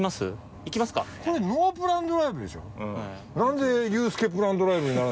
これ『ノープラン×ドライブ』でしょ？